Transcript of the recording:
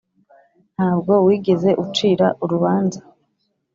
ntabwo wigeze ucira urubanza.